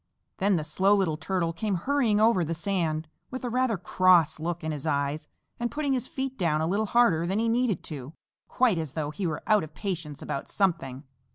Then the Slow Little Turtle came hurrying over the sand with a rather cross look in his eyes and putting his feet down a little harder than he needed to quite as though he were out of patience about something.